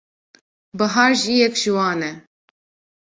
Bihar jî yek ji wan e.